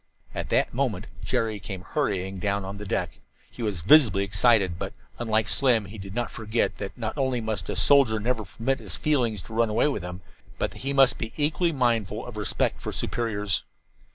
At that moment Jerry came hurrying down the deck. He was visibly excited, but, unlike Slim, he did not forget that not only must a soldier never permit his feelings to run away with him, but that he must be equally mindful of respect for superiors.